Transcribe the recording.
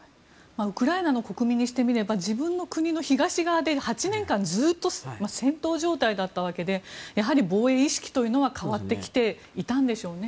ウクライナの国民にしてみれば自分の国の東側で８年間ずっと戦闘状態だったわけでやはり防衛意識というのは変わってきていたんでしょうね。